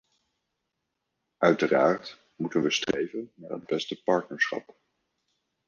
Uiteraard moeten we streven naar het beste partnerschap.